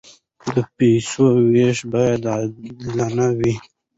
د پیسو وېش باید عادلانه وي.